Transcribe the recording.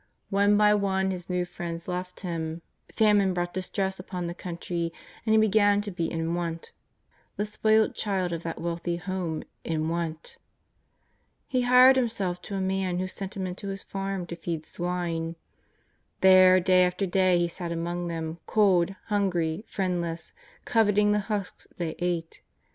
One by one his new friends left him, famine brought distress upon the country, and he began to be in want — the spoilt child of that wealthy home, in want ! He hired himself to a man who sent him into his farm to feed swine. There, day after day he sat among them, cold, hungry, friend Jess, coveting the husks they ate.